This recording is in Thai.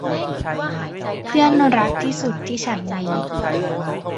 เพื่อนรักที่สุดที่ฉันมี